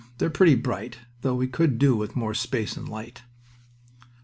"They're pretty bright, though we could do with more space and light."